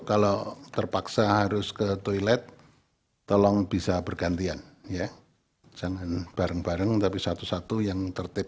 kalau terpaksa harus ke toilet tolong bisa bergantian ya jangan bareng bareng tapi satu satu yang tertip